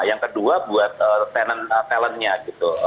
yang kedua buat talentnya gitu